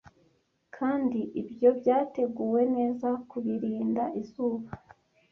Kandi ibyo byateguwe neza kubirinda izuba.